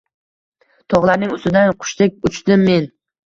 Tog’larning ustidan qushdek uchdim men.